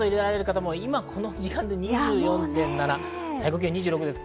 この時間で２４．７、最高気温２６度です。